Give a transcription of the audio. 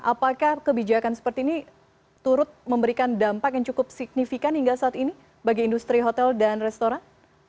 apakah kebijakan seperti ini turut memberikan dampak yang cukup signifikan hingga saat ini bagi industri hotel dan restoran